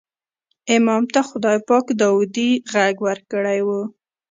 امام ته خدای پاک داودي غږ ورکړی و.